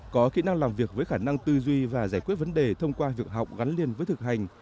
có kỹ năng làm việc với khả năng tư duy và giải quyết vấn đề thông qua việc học gắn liền với thực hành